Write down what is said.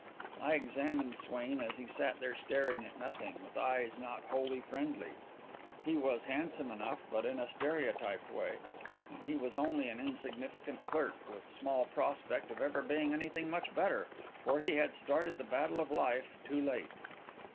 I examined Swain, as he sat there staring at nothing, with eyes not wholly friendly. He was handsome enough, but in a stereotyped way. And he was only an insignificant clerk, with small prospect of ever being anything much better, for he had started the battle of life too late.